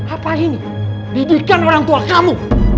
apa ini hidupkan orang tua kamu